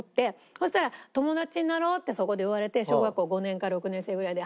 そしたら「友達になろう！」ってそこで言われて小学校５年か６年生ぐらいで。